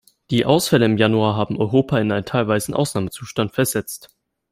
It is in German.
Die Ausfälle im Januar haben Europa in einen teilweisen Ausnahmezustand versetzt.